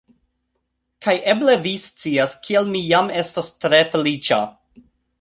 Kaj eble vi scias kial mi jam estas tre feliĉa